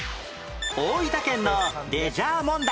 大分県のレジャー問題